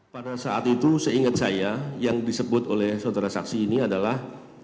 pada saat itu seingat saya yang disebut oleh saudara saksi ini adalah